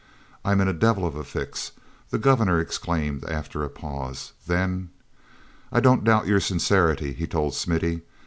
"I'm in a devil of a fix," the Governor exclaimed, after a pause. Then: "I don't doubt your sincerity," he told Smithy.